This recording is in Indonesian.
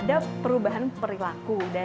dan juga untuk mengembangkan mereka